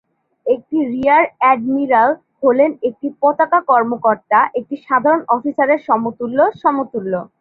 একটি রিয়ার-অ্যাডমিরাল হলেন একটি পতাকা কর্মকর্তা, একটি সাধারণ অফিসারের সমতুল্য সমতুল্য।